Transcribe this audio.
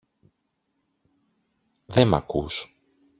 Δε μ’ ακούς